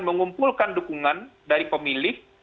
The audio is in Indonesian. mengumpulkan dukungan dari pemilih